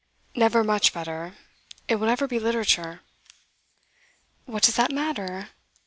'Never much better. It will never be literature.' 'What does that matter?